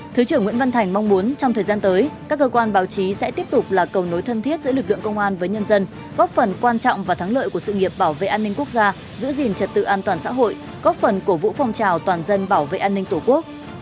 thứ trưởng nguyễn văn thành mong muốn trong thời gian tới các cơ quan báo chí sẽ tiếp tục là cầu nối thân thiết giữa lực lượng công an với nhân dân góp phần quan trọng và thắng lợi của sự nghiệp bảo vệ an ninh quốc gia giữ gìn trật tự an toàn xã hội góp phần cổ vũ phong trào toàn dân bảo vệ an ninh tổ quốc